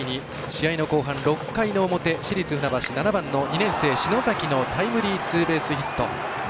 試合の後半、６回の表市立船橋、７番の２年生、篠崎のタイムリーツーベースヒット。